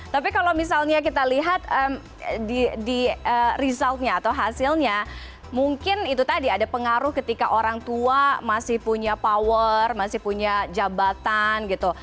tapi kalau misalnya kita lihat di resultnya atau hasilnya mungkin itu tadi ada pengaruh ketika orang tua masih punya power masih punya jabatan gitu